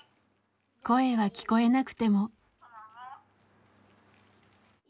声は聞こえなくても。